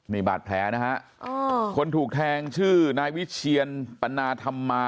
นี่บาดแผลนะฮะคนถูกแทงชื่อนายวิเชียนปณาธรรมา